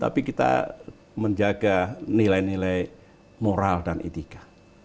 tapi kita menjaga nilai nilai moral dan etika